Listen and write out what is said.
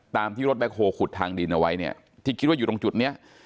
ที่รถแคคโฮลขุดทางดินเอาไว้เนี่ยที่คิดว่าอยู่ตรงจุดเนี้ย